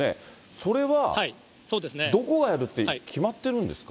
それはどこがやるって決まってるんですか？